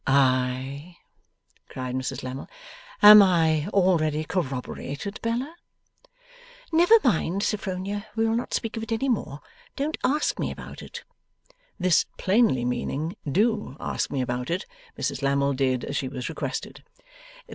'Ay?' cried Mrs Lammle. 'Am I already corroborated, Bella?' 'Never mind, Sophronia, we will not speak of it any more. Don't ask me about it.' This plainly meaning Do ask me about it, Mrs Lammle did as she was requested.